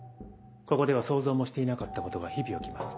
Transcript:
ここでは想像もしていなかったことが日々起きます。